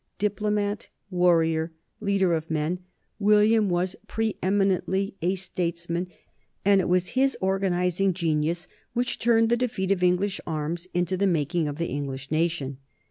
Diplomat, warrior, leader of men, William was preeminently a statesman, and it was his organizing genius which " turned the de feat of English arms into the making of the English na tion."